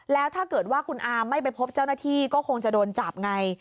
แล้วถ้าเกิดว่าคุณอาไม่ไปพบเจ้าหน้าที่ก็คงจะโดนจับไง